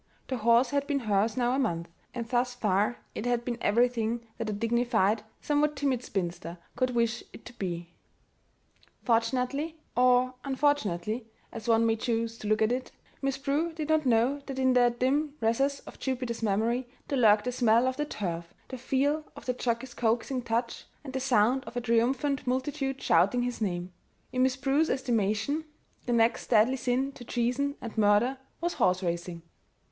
The horse had been hers now a month, and thus far it had been everything that a dignified, somewhat timid spinster could wish it to be. Fortunately or unfortunately, as one may choose to look at it Miss Prue did not know that in the dim recesses of Jupiter's memory there lurked the smell of the turf, the feel of the jockey's coaxing touch, and the sound of a triumphant multitude shouting his name; in Miss Prue's estimation the next deadly sin to treason and murder was horse racing.